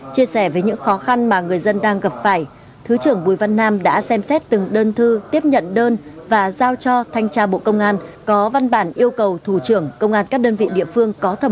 chia sẻ với những khó khăn mà người dân đang gặp phải thứ trưởng bùi văn nam đã xem xét từng đơn thư tiếp nhận đơn và giao cho thanh tra bộ công an có văn bản yêu cầu thủ trưởng công an các đơn vị địa phương có thẩm quyền